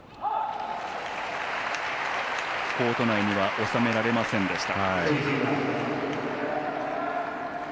コート内には収められませんでした。